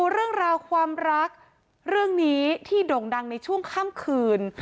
เรื่องราวความรักเรื่องนี้ที่โด่งดังในช่วงค่ำคืน